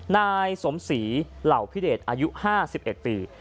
นายสมศรีเหล่าพิเดชอายุ๕๑ปี